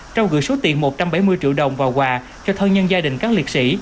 trao gửi số tiền một trăm bảy mươi triệu đồng và quà cho thân nhân gia đình các liệt sĩ